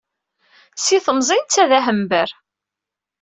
Si temẓi-s netta d ahember.